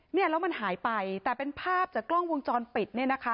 เนี่ยแล้วมันหายไปแต่เป็นภาพจากกล้องวงจรปิดเนี่ยนะคะ